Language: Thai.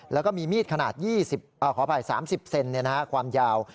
แล้วก็มีมีดขนาด๓๐เซนความยาว